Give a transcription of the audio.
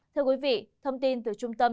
thưa quý vị thông tin từ trung tâm